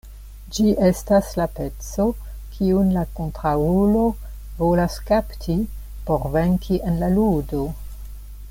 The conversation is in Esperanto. Ĝi estas la peco, kiun la kontraŭulo volas kapti por venki en la ludo.